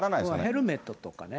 ヘルメットとかね。